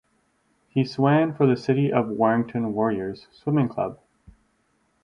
He swan for the City of Warrington Warriors Swimming Club.